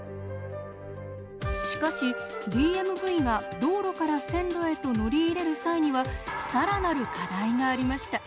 しかしＤＭＶが道路から線路へと乗り入れる際には更なる課題がありました。